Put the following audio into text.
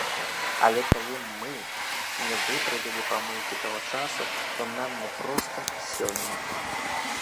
Але калі мы не выправілі памылкі таго часу, то нам не проста і сёння.